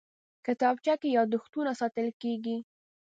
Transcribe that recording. کتابچه کې یادښتونه ساتل کېږي